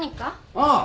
ああ。